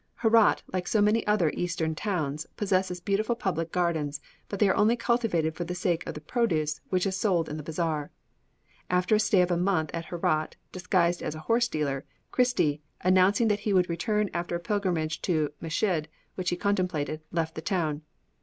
Herat, like so many other Eastern towns, possesses beautiful public gardens, but they are only cultivated for the sake of the produce, which is sold in the bazaar. After a stay of a month at Herat, disguised as a horse dealer, Christie, announcing that he would return after a pilgrimage to Meshid, which he contemplated, left the town.